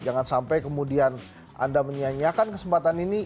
jangan sampai kemudian anda menyianyiakan kesempatan ini